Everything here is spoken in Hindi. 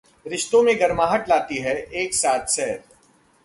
रिश्तों में गर्माहट लाती है एक साथ सैर